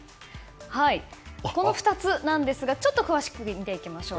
この２つなんですがちょっと詳しく見ていきましょう。